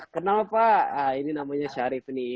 kenapa pak ini namanya syarif nih